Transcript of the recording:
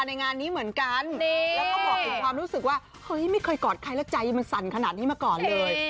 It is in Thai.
ในงานนี้เหมือนกันแล้วก็บอกถึงความรู้สึกว่าเฮ้ยไม่เคยกอดใครแล้วใจมันสั่นขนาดนี้มาก่อนเลย